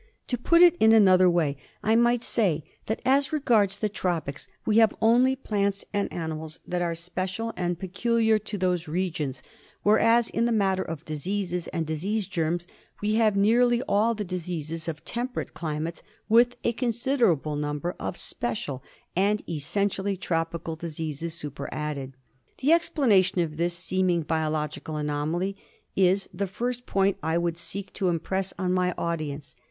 To put it in another way I might say that as regards the tropics we have only plants and animals that are special and peculiar to those regions, whereas in the matter of diseases and disease germs we have nearly all the diseases of temperate climates with a considerable number of special and essentially tropi cal diseases superadded. The explanation of this seeming biologic anomaly is the first point I would seek to impress on my audience.